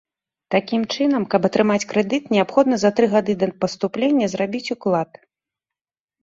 Такім чынам, каб атрымаць крэдыт, неабходна за тры гады да паступлення зрабіць уклад.